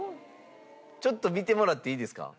ちょっと見てもらっていいですか？